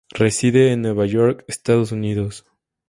Reside en Nueva York, Estados Unidos.